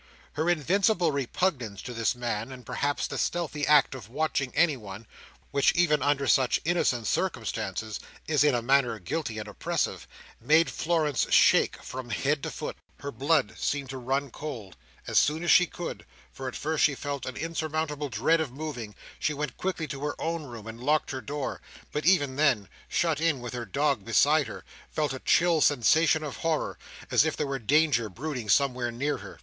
Her invincible repugnance to this man, and perhaps the stealthy act of watching anyone, which, even under such innocent circumstances, is in a manner guilty and oppressive, made Florence shake from head to foot. Her blood seemed to run cold. As soon as she could—for at first she felt an insurmountable dread of moving—she went quickly to her own room and locked her door; but even then, shut in with her dog beside her, felt a chill sensation of horror, as if there were danger brooding somewhere near her.